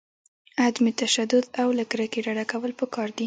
عدم تشدد او له کرکې ډډه کول پکار دي.